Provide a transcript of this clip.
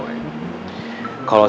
kalau saya kurang beribadah